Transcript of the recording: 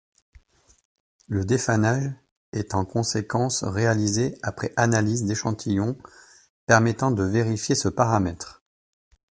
Le défanage est en conséquence réalisé après analyse d'échantillons permettant de vérifier ce paramètre.